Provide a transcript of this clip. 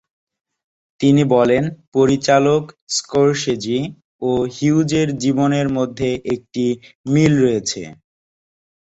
তিনি বলেন পরিচালক স্কোরসেজি ও হিউজের জীবনের মধ্যে একটি মিল রয়েছে।